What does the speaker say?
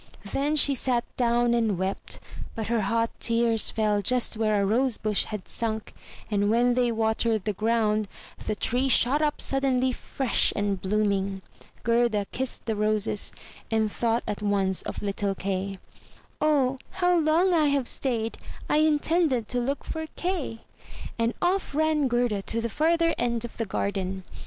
Then she sat down and wept; but her hot tears fell just where a rose bush had sunk; and when they watered the ground, the tree shot up suddenly fresh and blooming. Gerda kissed the roses, and thought at once of little Kay. "O how long I have stayed! I intended to look for Kay!" And off ran Gerda to the further end of the garden.